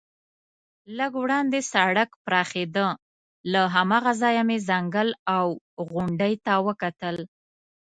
لږ وړاندې سړک پراخېده، له هماغه ځایه مې ځنګل او غونډۍ ته وکتل.